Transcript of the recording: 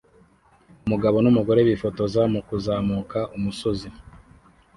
Umugabo numugore bifotoza mukuzamuka umusozi